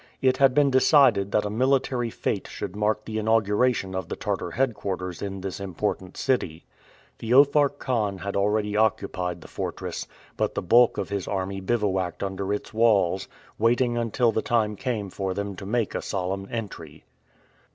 It had been decided that a military fête should mark the inauguration of the Tartar headquarters in this important city. Feofar Khan already occupied the fortress, but the bulk of his army bivouacked under its walls, waiting until the time came for them to make a solemn entry.